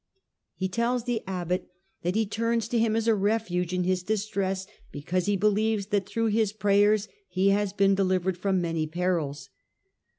He tells the abbot that he turns to. him as a refuge in his distress, because he believes that through his prayers he has been delivered from many perils.